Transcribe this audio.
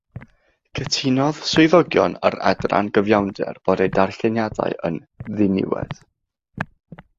Cytunodd swyddogion yr Adran Gyfiawnder bod ei darllediadau yn "ddiniwed".